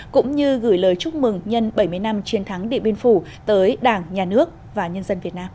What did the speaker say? cũng như gửi lời chúc mừng nhân bảy mươi năm chiến thắng địa phương